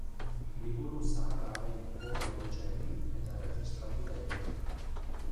Liburu zahar haren kopia hutsa egin eta erregistratu daiteke.